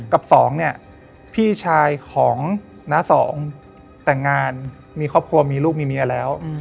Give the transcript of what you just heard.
กับสองเนี่ยพี่ชายของน้าสองแต่งงานมีครอบครัวมีลูกมีเมียแล้ว